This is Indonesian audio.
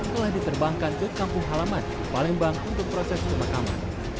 telah diterbangkan ke kampung halaman palembang untuk proses pemakaman